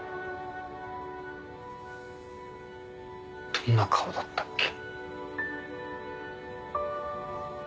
どんな顔だったっけ？